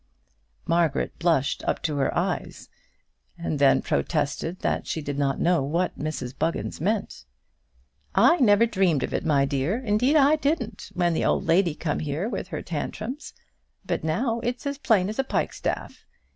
Margaret blushed up to the eyes, and then protested that she did not know what Mrs Buggins meant. "I never dreamed of it, my dear; indeed, I didn't, when the old lady come here with her tantrums; but now, it's as plain as a pikestaff.